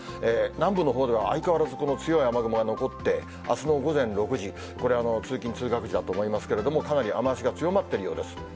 南部のほうでは相変わらずこの強い雨雲が残って、あすの午前６時、これ、通勤・通学時だと思いますけれども、かなり雨足が強まってるようです。